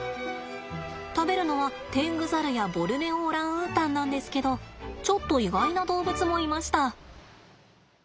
食べるのはテングザルやボルネオオランウータンなんですけどちょっと意外な動物もいました。